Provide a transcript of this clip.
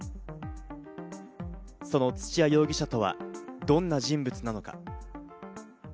その土屋容疑者とは、どんな人物なのか？